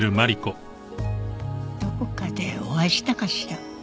どこかでお会いしたかしら？